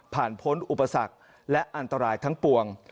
พ้นอุปสรรคและอันตรายทั้งปวง